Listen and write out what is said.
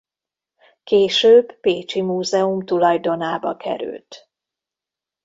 Később pécsi múzeum tulajdonába került.